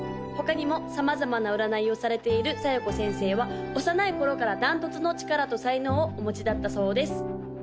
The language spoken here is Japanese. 他にも様々な占いをされている小夜子先生は幼い頃から断トツの力と才能をお持ちだったそうです